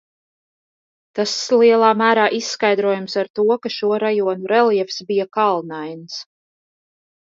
Tas lielā mērā izskaidrojams ar to, ka šo rajonu reljefs bija kalnains.